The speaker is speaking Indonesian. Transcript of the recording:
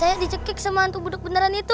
tadi ayah saya dicekik sama hantu budeg beneran itu